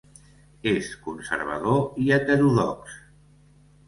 És conservador i heterodox.